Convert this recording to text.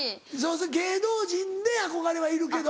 芸能人で憧れはいるけど。